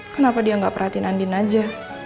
kenapa dia nggak perhatiin andin aja